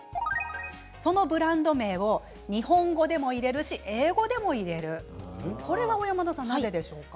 そのブランド名を日本語でも入れるし英語でも入れるこれはなぜでしょうか。